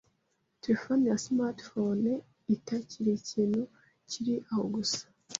telefone ya smartphone itakiri ikintu kiri aho gusa